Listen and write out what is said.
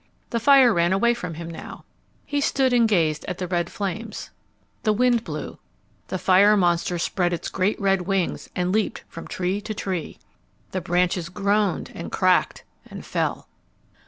The fire ran away from him now. He stood and gazed at the red flames. The wind blew. The fire monster spread its great red wings and leaped from tree to tree. The branches groaned, and cracked, and fell.